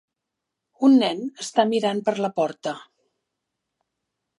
Un nen està mirant per la porta.